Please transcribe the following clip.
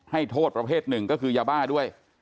โทษประเภทหนึ่งก็คือยาบ้าด้วย